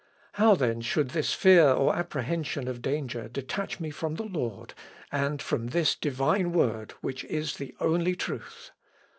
How then should this fear or apprehension of danger detach me from the Lord, and from this divine Word, which is the only truth?